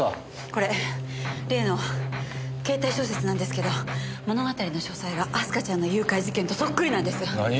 これ例のケータイ小説なんですけど物語の詳細が明日香ちゃんの誘拐事件とそっくりなんです。